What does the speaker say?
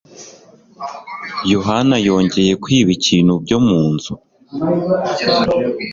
Yohani yongeye kwiba ikintu byo munzu?